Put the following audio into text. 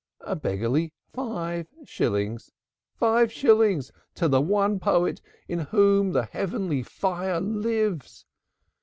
A beggarly five shillings? Five shillings to the one poet in whom the heavenly fire lives!